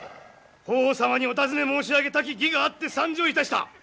法皇様にお尋ね申し上げたき儀があって参上いたした。